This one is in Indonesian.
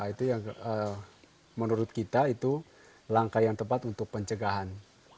itu yang menurut kita itu langkah yang tepat untuk pencegahan